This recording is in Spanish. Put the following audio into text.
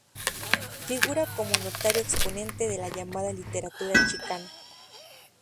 Figura como notorio exponente de la llamada literatura chicana.